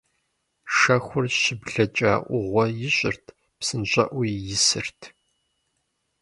Шэхур щыблэкӀэ Ӏугъуэ ищӀырт, псынщӀэӀуэуи исырт.